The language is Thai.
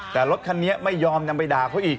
แต่รถคันนี้ไม่ยอมนำไปด่าเขาอีก